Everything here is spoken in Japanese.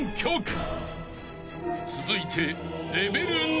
［続いて］